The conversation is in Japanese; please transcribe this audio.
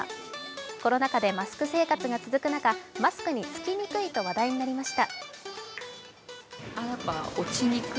コロナ禍でマスク生活が続く中、マスクにつきにくいと話題になりました。